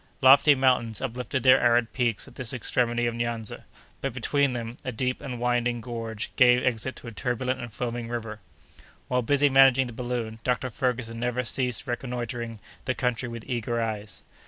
Lofty mountains uplifted their arid peaks at this extremity of Nyanza; but, between them, a deep and winding gorge gave exit to a turbulent and foaming river. While busy managing the balloon, Dr. Ferguson never ceased reconnoitring the country with eager eyes.